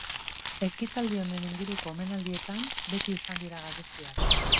Ekitaldi honen inguruko omenaldietan beti izan dira gabeziak.